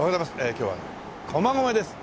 今日はね駒込です。